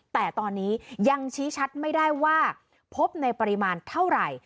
แต่ตอนนี้ยังชี้ชัดไม่ได้ว่าพบในปริมาณเท่าไหร่